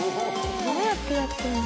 ・どうやってやってるの？